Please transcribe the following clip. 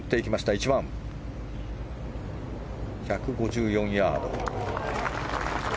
１５４ヤード。